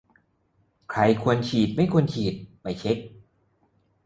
ใครควรฉีดไม่ควรฉีด ไปเช็ก